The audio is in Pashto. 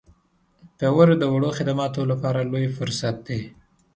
فیور د وړو خدماتو لپاره لوی فرصت دی.